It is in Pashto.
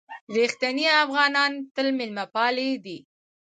رښتیني افغانان تل مېلمه پالي دي.